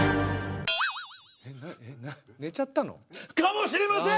ねちゃったの？かもしれません！